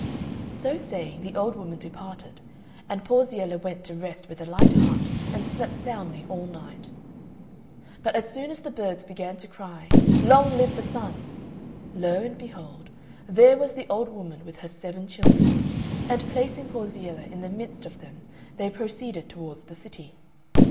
So saying, the old woman departed, and Porziella went to rest with a light heart and slept soundly all night. But as soon as the birds began to cry, "Long live the Sun," lo and behold, there was the old woman with her seven children; and placing Porziella in the midst of them they proceeded towards the city.